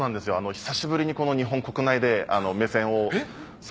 久しぶりに日本国内で目線をそらさず。